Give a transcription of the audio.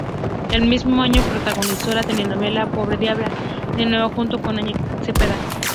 El mismo año, protagonizó la telenovela "Pobre diabla", de nuevo junto con Angie Cepeda.